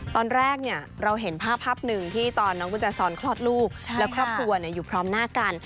ตอนแรกเราเห็นภาพภาพหนึ่งที่ตอนน้องกุญแจซอนคลอดลูกและครอบครัวอยู่พร้อมหน้ากัน